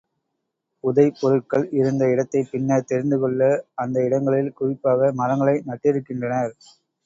புதை பொருள்கள் இருந்த இடத்தைப் பின்னர் தெரிந்துகொள்ள அந்த இடங்களில் குறிப்பாக மரங்களை நட்டிருக்கின்றனர்.